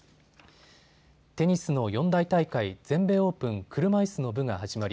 テニスの四大大会、全米オープン車いすの部が始まり